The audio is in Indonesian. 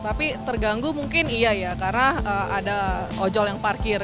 tapi terganggu mungkin iya ya karena ada ojol yang parkir